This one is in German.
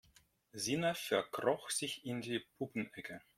Sina verkroch sich in die Puppenecke.